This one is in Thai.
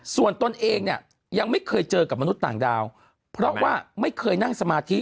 ส่วนตนเองเนี่ยยังไม่เคยเจอกับมนุษย์ต่างดาวเพราะว่าไม่เคยนั่งสมาธิ